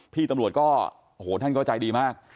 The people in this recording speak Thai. พี่ตำรวจก็โอ้โหท่านก็ใจดีมาก